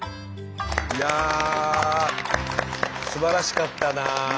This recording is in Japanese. いやあすばらしかったなあ。